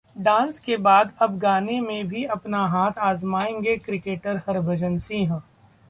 dance के बाद अब गाने में भी अपना हाथ आजमाएंगे क्रिकेटर हरभजन सिंह